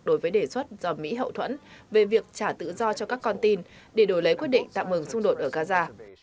đối với đề xuất do mỹ hậu thuẫn về việc trả tự do cho các con tin để đổi lấy quyết định tạm ngừng xung đột ở gaza